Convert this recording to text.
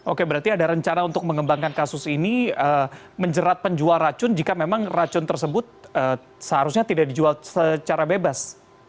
oke berarti ada rencana untuk mengembangkan kasus ini menjerat penjual racun jika memang racun tersebut seharusnya tidak dijual secara bebas